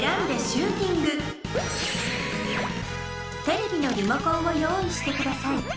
テレビのリモコンを用意してください。